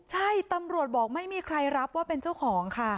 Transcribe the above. ใช่ตำรวจบอกไม่มีใครรับว่าเป็นเจ้าของค่ะ